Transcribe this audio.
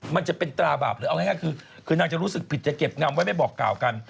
มันจะเป็นตราบาปหรือเอาง่ายคือนางจะรู้สึกผิดจะเก็บงำไว้ไม่บอกกล่าวกัน